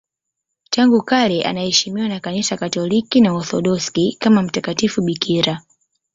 Tangu kale anaheshimiwa na Kanisa Katoliki na Waorthodoksi kama mtakatifu bikira.